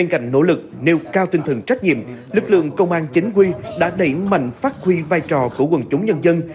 theo tinh thần trách nhiệm lực lượng công an chỉnh quy đã đẩy mạnh phát huy vai trò của quần chúng nhân dân